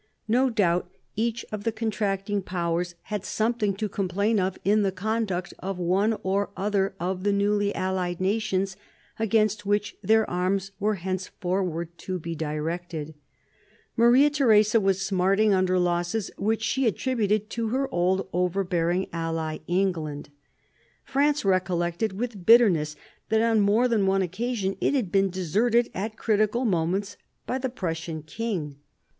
No doubt each of the contract •* J N / 1756 7 CHANGE OF ALLIANCES 129 ing powers had something to complain of in the conduct of one or other of the newly allied nations against which their arms were henceforward to be directed. Maria Theresa was smarting under losses which she attributed to her old overbearing ally, England. France recollected with bitterness that on more than one occasion it had been deserted at critical moments by the Prussian king.